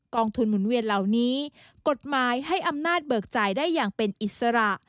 องทุนหมุนเวียนเหล่านี้กฎหมายให้อำนาจเบิกจ่ายได้อย่างเป็นอิสระ